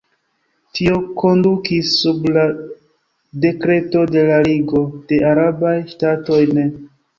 Tio kondukis, sub la dekreto de la Ligo de Arabaj Ŝtatoj ne.